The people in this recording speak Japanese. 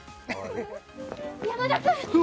山田君！